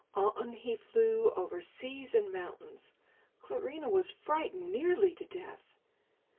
On he flew over seas and mountains. Clarinha was frightened nearly to death.